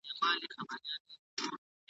څلور پښې يې نوري پور كړې په ځغستا سوه